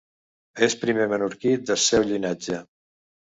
Es primer menorquí des seu llinatge.